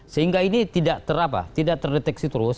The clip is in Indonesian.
sehingga ini tidak terdeteksi terus